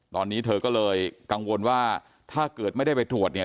ตอนนี้เธอก็เลยกังวลว่าถ้าเกิดไม่ได้ไปตรวจเนี่ย